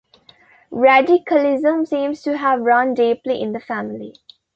Radicalism seems to have run deeply in the family.